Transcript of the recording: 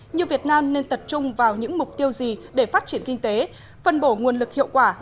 như việt nam nên tập trung vào những mục tiêu gì để phát triển kinh tế phân bổ nguồn lực hiệu quả